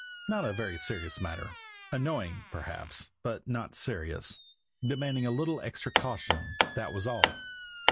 Not a very serious matter; annoying, perhaps, but not serious, demanding a little extra caution, that was all.